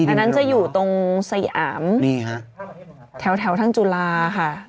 อันนั้นจะอยู่ตรงสยามแถวทางจุฬาค่ะ